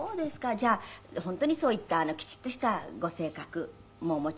じゃあ本当にそういったきちっとしたご性格もお持ち。